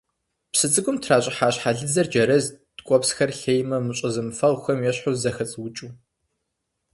Псы цӀыкӀум тращӀыхьа щхьэлыдзэр джэрэзт ткӀуэпсхэр лъеймэ мыщӀэ зэмыфэгъухэм ещхьу зэхэцӀуукӀыу.